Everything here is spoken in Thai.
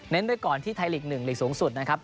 ไปก่อนที่ไทยลีก๑หลีกสูงสุดนะครับ